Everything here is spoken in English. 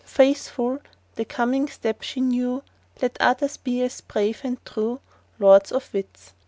Faithful the coming step she knew Let others be as brave and true— Lords or Wits!